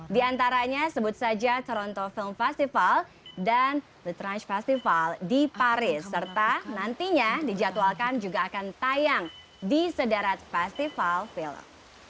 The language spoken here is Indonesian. di antaranya sebut saja toronto film festival dan the trans festival di paris serta nantinya dijadwalkan juga akan tayang di sederet festival film